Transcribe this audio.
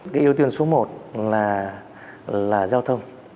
cái ưu tiên số một là giao thông